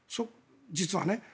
実はね。